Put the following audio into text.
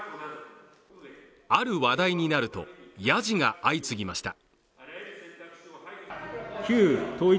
ある話題になると、やじが相次ぎました。